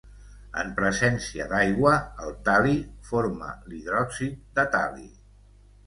En presència d'aigua, el tal·li forma l'hidròxid de tal·li.